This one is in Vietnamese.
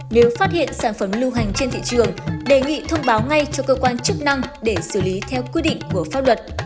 nếu phát hiện sản phẩm lưu hành trên thị trường đề nghị thông báo ngay cho cơ quan chức năng để xử lý theo quy định của pháp luật